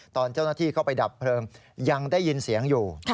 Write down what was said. ตอนเจ้าหน้าที่เข้าไปดับเพลิงยังได้ยินเสียงอยู่